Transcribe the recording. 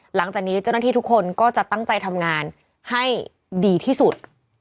หลังจากนี้เจ้าหน้าที่ทุกคนก็จะตั้งใจทำงานให้ดีที่สุด